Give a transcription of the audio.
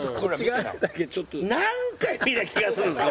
何回見りゃ気が済むんですか